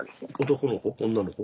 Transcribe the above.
男の子女の子？